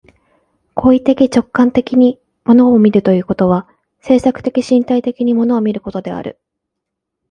行為的直観的に物を見るということは、制作的身体的に物を見ることである。